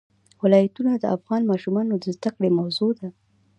ولایتونه د افغان ماشومانو د زده کړې موضوع ده.